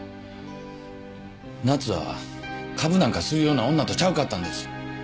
奈津は株なんかするような女とちゃうかったんです。